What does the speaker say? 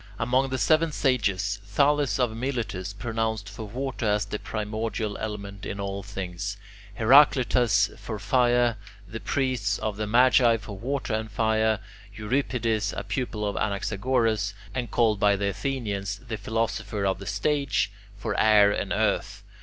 Among the Seven Sages, Thales of Miletus pronounced for water as the primordial element in all things; Heraclitus, for fire; the priests of the Magi, for water and fire; Euripides, a pupil of Anaxagoras, and called by the Athenians "the philosopher of the stage," for air and earth.